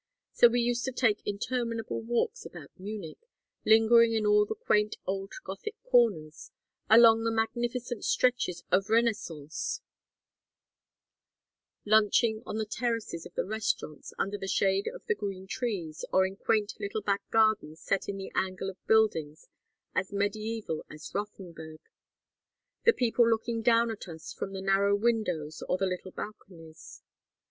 So we used to take interminable walks about Munich, lingering in all the quaint old Gothic corners, along the magnificent stretches of Renaissance; lunching on the terraces of the restaurants under the shade of the green trees, or in quaint little back gardens set in the angle of buildings as mediæval as Rothenburg; the people looking down at us from the narrow windows or the little balconies.